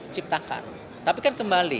ciptakan tapi kan kembali